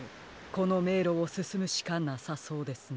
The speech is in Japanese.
このめいろをすすむしかなさそうですね。